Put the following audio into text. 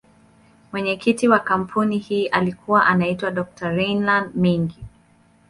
Mwenyekiti wa kampuni hii alikuwa anaitwa Dr.Reginald Mengi.